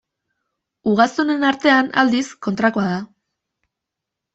Ugaztunen artean, aldiz, kontrakoa da.